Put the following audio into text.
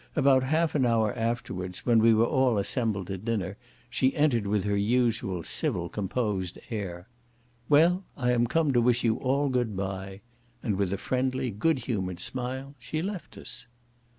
About half an hour afterwards, when we were all assembled at dinner, she entered with her usual civil composed air, "Well, I am come to wish you all goodbye," and with a friendly good humoured smile she left us.